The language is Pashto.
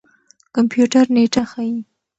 کمپيوټر نېټه ښيي.